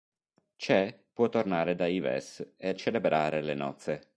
Che può tornare da Ives e celebrare le nozze.